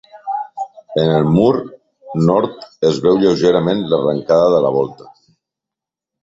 En el mur nord es veu lleugerament l'arrencada de la volta.